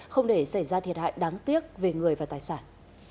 không để xảy ra thiệt hại đáng tiếc về người và tài sản